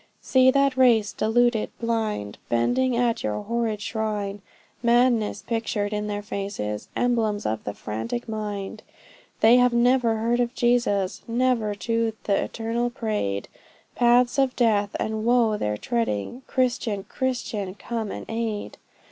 See that race, deluded, blinded, Bending at yon horrid shrine; Madness pictured in their faces, Emblems of the frantic mind; They have never heard of Jesus, Never to th' Eternal prayed; Paths of death and woe they're treading, Christian! Christian! come and aid!